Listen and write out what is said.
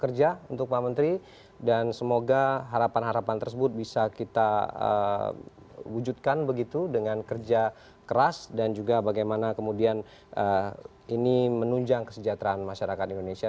terima kasih pak menteri selamat bekerja dan semoga harapan tersebut bisa kita wujudkan begitu dengan kerja keras dan bagaimana ini menunjang kesejahteraan masyarakat indonesia